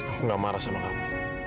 aku gak marah sama kamu